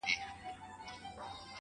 o ته چیري تللی یې اشنا او زندګي چیري ده.